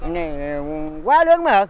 này quá lớn mà